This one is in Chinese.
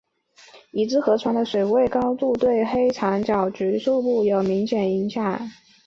已知河床的水位高度对黑长脚鹬数目有明显影响。